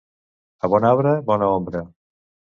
A bon arbre, bona ombra.